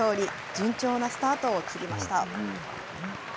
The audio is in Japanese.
順調なスタートを切りました。